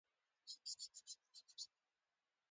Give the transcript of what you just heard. مينه روحاً او جسماً ټوله مړاوې شوې وه